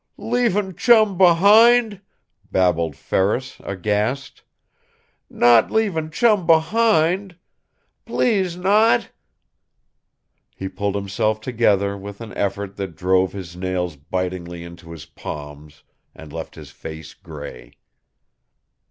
"Leavin' Chum behind?" babbled Ferris, aghast. "Not leavin' Chum behind? PLEASE not!" He pulled himself together with an effort that drove his nails bitingly into his palms and left his face gray.